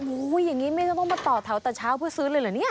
โอ้โหอย่างนี้ไม่ต้องมาต่อแถวแต่เช้าเพื่อซื้อเลยเหรอเนี่ย